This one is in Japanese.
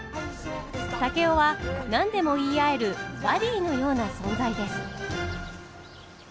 竹雄は何でも言い合えるバディーのような存在です。